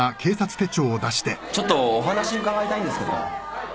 ちょっとお話伺いたいんですけど。